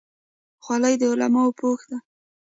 خولۍ د علماو پوښ دی.